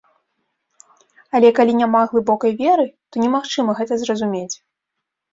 Але калі няма глыбокай веры, то немагчыма гэта зразумець.